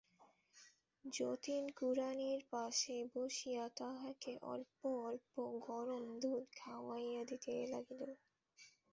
যতীন কুড়ানির পাশে বসিয়া তাহাকে অল্প অল্প গরম দুধ খাওয়াইয়া দিতে লাগিল।